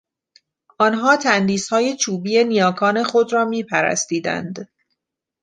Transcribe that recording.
آنها تندیسهای چوبی نیاکان خود را میپرستیدند.